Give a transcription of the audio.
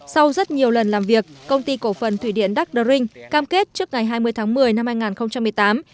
sau rất nhiều lần làm việc công ty cổ phần thủy điện đắc đơ rinh cam kết trước ngày hai mươi tháng một mươi năm hai nghìn một mươi tám